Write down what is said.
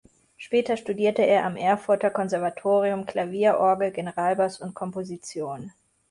Später studierte er am Erfurter Konservatorium Klavier, Orgel, Generalbass und Komposition.